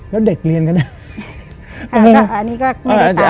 แล้วเด็กเรียนก็ได้